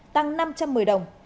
tăng năm trăm một mươi đồng